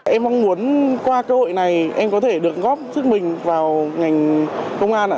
em mong muốn qua cơ hội này em có thể được góp sức mình vào ngành công an ạ